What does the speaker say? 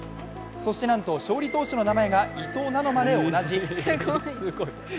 そしてなんと、勝利投手の名前が伊藤なのまで同じ。